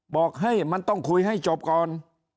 บอกให้มันต้องคุยให้จบก่อน